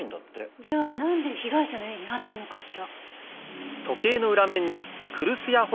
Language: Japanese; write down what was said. じゃあなんで被害者の家にあったのかしら？